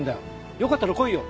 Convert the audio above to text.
よかったら来いよ。